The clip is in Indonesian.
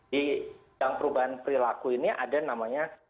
di bidang perubahan perilaku ini ada namanya